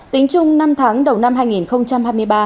tính chung năm tháng đầu năm hai nghìn hai mươi ba